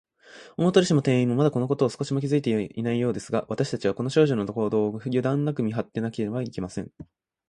大鳥氏も店員も、まだ、このことを少しも気づいていないようですが、わたしたちは、この少女の行動を、ゆだんなく見はっていなければなりません。